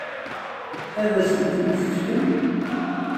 Ad asent-tent-tefkem?